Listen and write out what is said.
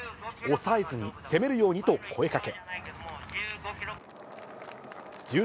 抑えずに、攻めるようにと声かけ。